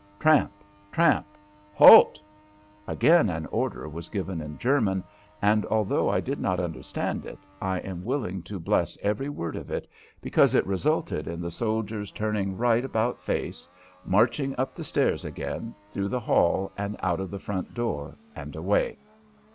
Tramp! Tramp! "Halt!" Again an order was given in German, and although I did not understand it, I am willing to bless every word of it, because it resulted in the soldiers turning right about face, marching up the stairs again, through the hall, and out of the front door and away!